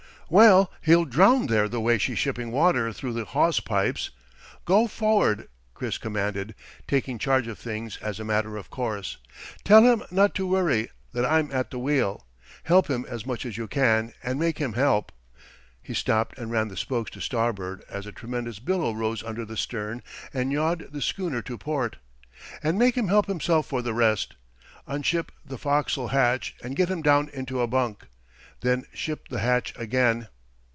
"Well, he'll drown there the way she's shipping water through the hawse pipes. Go for'ard!" Chris commanded, taking charge of things as a matter of course. "Tell him not to worry; that I'm at the wheel. Help him as much as you can, and make him help"—he stopped and ran the spokes to starboard as a tremendous billow rose under the stern and yawed the schooner to port—"and make him help himself for the rest. Unship the fo'castle hatch and get him down into a bunk. Then ship the hatch again."